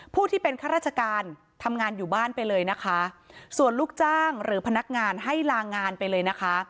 ผู้ที่เป็นข้าราชการทำงานอยู่บ้านไปเลยนะคะส่วนลูกจ้างหรือพนักงานให้ลางานไปเลยนะคะ